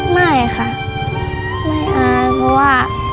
ไม่ค่ะเพราะว่า